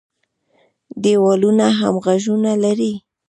ـ دیوالونه هم غوږونه لري.